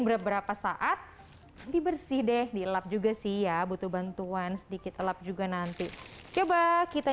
beberapa saat dibersih deh dielap juga sih ya butuh bantuan sedikit elap juga nanti coba kita